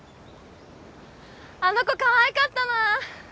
あの子かわいかったな。